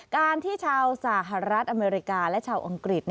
การที่ชาวสหรัฐอเมริกาและชาวอังกฤษ